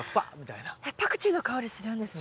えっパクチーの香りするんですね。